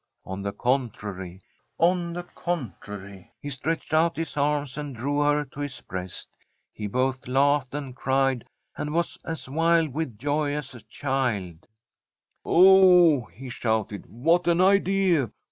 On the contrary ! on the contrary 1 He stretched out his arms and drew her to his breast. He both laughed and cried, and was as wild with joy as a child. [191I From a SWEDISH HOMESTEAD '"Oh," he shouted, "what an idea!